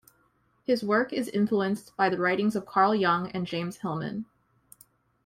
His work is influenced by the writings of Carl Jung and James Hillman.